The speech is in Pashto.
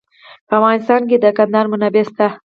په افغانستان کې د کندهار منابع شته.